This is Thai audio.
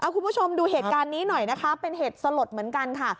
คุณผู้ชมดูเหตุการณ์นี้หน่อยนะคะเป็นเหตุสลดเหมือนกันค่ะ